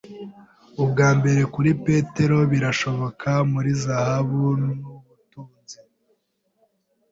Ubwa mbere kuri Petero birashoboka muri zahabu n'ubutunzi